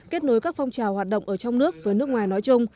kết nối các phong trào hoạt động ở trong nước với nước ngoài nói chung